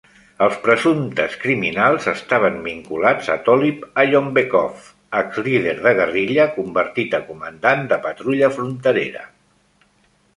Els presumptes criminals estaven vinculats a Tolib Ayombekov, exlíder de guerrilla convertit a comandant de patrulla fronterera.